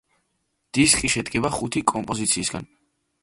დისკი შედგება ხუთი კომპოზიციისგან.